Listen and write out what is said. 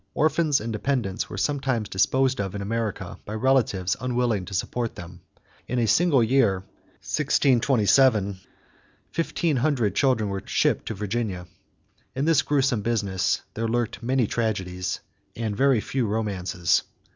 Orphans and dependents were sometimes disposed of in America by relatives unwilling to support them. In a single year, 1627, about fifteen hundred children were shipped to Virginia. In this gruesome business there lurked many tragedies, and very few romances.